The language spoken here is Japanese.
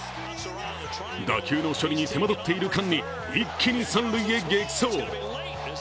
打球の処理に手間取っている間に一気に三塁に激走。